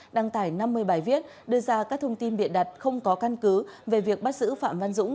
đăng tải năm mươi bài viết đưa ra các thông tin biện đặt không có căn cứ về việc bắt giữ phạm văn dũng